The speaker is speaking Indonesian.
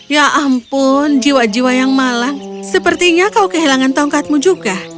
ya ampun jiwa jiwa yang malang sepertinya kau kehilangan tongkatmu juga